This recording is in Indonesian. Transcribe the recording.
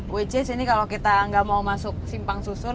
which is ini kalau kita nggak mau masuk simpang susun